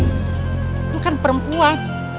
itu kan perempuan